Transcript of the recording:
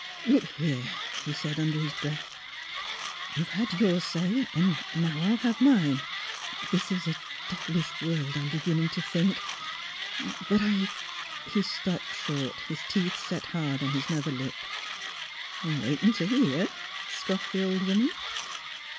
" Look here," he said, under his breath. " You've had your say, now I'll have mine. This is a devilish world, I'm beginning to think. But I " 214 THE HEART OF PHILURA He stopped short, his teeth set hard on his nether lip. ''I'm waitin' t' hear," scoffed the old woman.